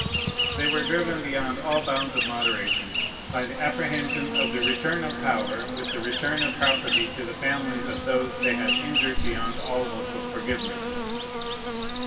They were driven beyond all bounds of moderation by the apprehension of the return of power with the return of property to the families of those they had injured beyond all hope of forgiveness.